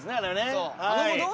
そう。